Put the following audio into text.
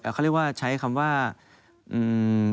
เขาเรียกว่าใช้คำว่าอืม